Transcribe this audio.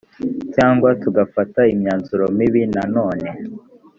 cyangwa tugafata imyanzuro mibi nanone